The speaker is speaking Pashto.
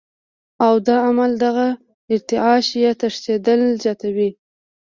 او دا عمل دغه ارتعاش يا تښنېدل زياتوي